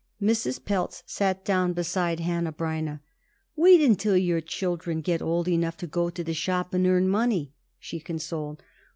Mrs. Pelz sat down beside Hanneh Breineh. "Wait only till your children get old enough to go to the shop and earn money," she consoled.